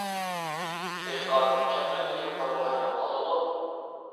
دېھقان: كەتمەن كۆتۈرۈپ بارمىغان يەر قالدىمۇ.